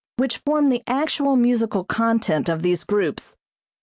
which form the actual musical content of these groups.